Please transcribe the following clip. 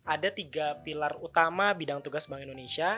ada tiga pilar utama bidang tugas bank indonesia